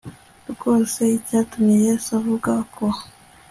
rwose icyatumye yesu avuga ko